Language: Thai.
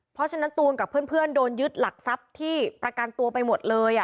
เพราะฉะนั้นตูนกับเพื่อนโดนยึดหลักทรัพย์ที่ประกันตัวไปหมดเลย